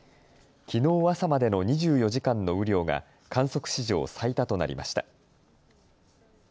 きのう朝までの２４時間の雨量が観測史上、最多となりました。